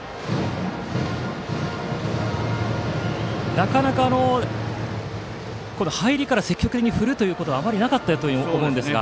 なかなか入りから積極的に振ることはあまりなかったと思いますが。